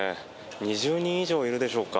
２０人以上いるでしょうか。